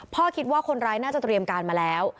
คิดว่าคนร้ายน่าจะเตรียมการมาแล้ว